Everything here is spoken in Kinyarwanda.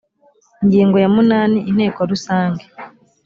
ingingo ya munani inteko rusange